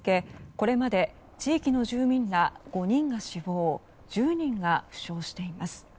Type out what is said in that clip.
これまで地域の住民ら５人が死亡１０人が負傷しています。